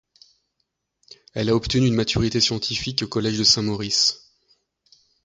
Elle a obtenu une maturité scientifique au Collège de Saint-Maurice.